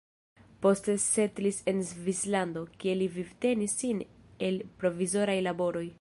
Poste setlis en Svislando, kie li vivtenis sin el provizoraj laboroj.